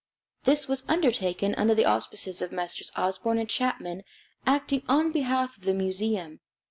This was undertaken under the auspices of Messrs. Osborn and Chapman, acting on behalf of the Museum.